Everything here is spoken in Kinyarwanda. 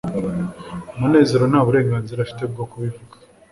munezero nta burenganzira afite bwo kubivuga